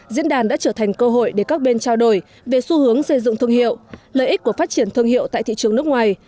diễn đàn đã trở thành cơ hội để các bên trao đổi về xu hướng xây dựng thương hiệu lợi ích của phát triển thương hiệu tại thị trường nước ngoài